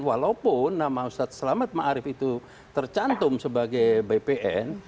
walaupun nama ustadz selamat ma'arif itu tercantum sebagai bpn